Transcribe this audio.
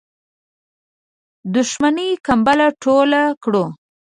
دښمنی کمبله ټوله کړو.